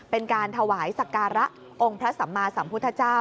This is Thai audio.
เป็นการถวายสักการะองค์พระสัมมาสัมพุทธเจ้า